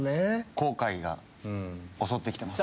後悔が襲って来てます。